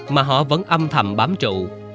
mà họ vẫn âm thầm bám trụ